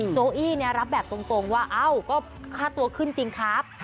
โจอี้รับแบบตรงว่าเอ้าก็ค่าตัวขึ้นจริงครับ